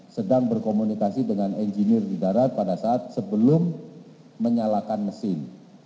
sedang berkomunikasi dengan engineer di darat pada saat sebelum menyalakan mesin